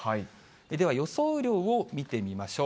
では、予想雨量を見てみましょう。